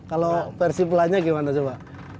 kalau versi pelannya gimana coba